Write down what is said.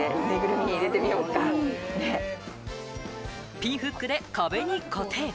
ピンフックで壁に固定。